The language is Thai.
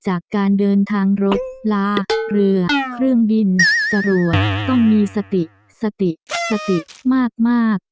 จากการเดินทางรถลาเหรือเครื่องบินสรวทต้องมีสติสติสติมาก